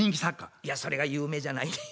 いやそれが有名じゃないねん。